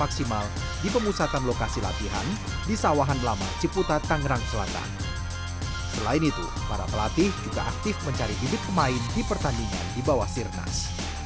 kepala pelatih juga mencari bibit pemain di pertandingan di bawah sirnas